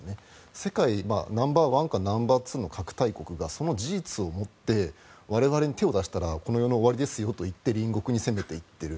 世界ナンバーワンかナンバーツーの核大国が、その事実をもって我々に手を出したらこの世の終わりですよと言って隣国に攻めていっている。